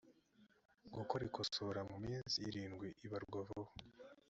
gukora ikosora mu minsi irindwi ibarwa vuba